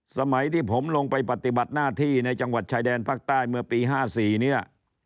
สมัยที่ผมลงไปปฏิบัติหน้าที่ในจังหวัดชายแดนภาคใต้เมื่อปี๕๔เนี่ย